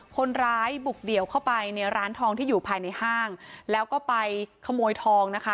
คนร้ายบุกเดี่ยวเข้าไปในร้านทองที่อยู่ภายในห้างแล้วก็ไปขโมยทองนะคะ